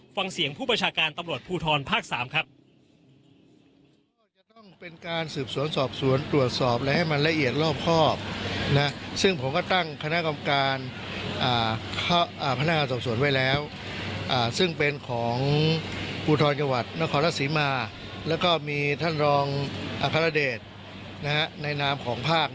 ฟังเสียงผู้ประชาการตำรวจภูทรภาค๓ครับ